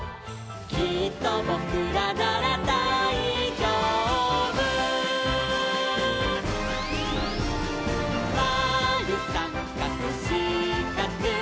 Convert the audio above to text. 「きっとぼくらならだいじょうぶ」「まるさんかくしかく」